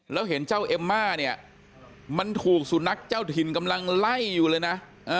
แล้วเห็นเจ้าเอมม่าเนี่ยมันถูกสุนัขเจ้าถิ่นกำลังไล่อยู่เลยนะ